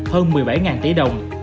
hơn một mươi bảy tỷ đồng